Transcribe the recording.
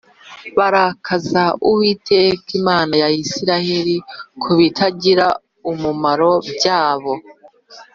bakarakaza Uwiteka Imana ya Isirayeli ku bitagira umumaro byabo